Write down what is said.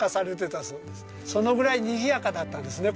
そのぐらいにぎやかだったんですね